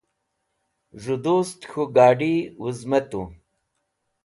z̃hu dust k̃hu gadi wuzmetũ